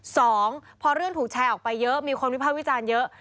สองพอเรื่องถูกแชร์ออกไปเยอะมีคนวิภาพวิจารณ์เยอะ